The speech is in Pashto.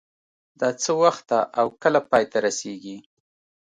دا څه وخت ده او کله پای ته رسیږي